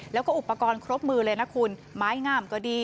แล้วก็อุปกรณ์ครบมือเลยนะคุณไม้งามก็ดี